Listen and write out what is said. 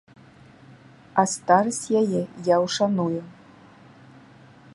А старасць яе я ўшаную.